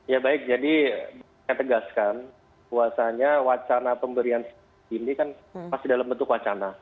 ya baik jadi saya tegaskan bahwasannya wacana pemberian ini kan masih dalam bentuk wacana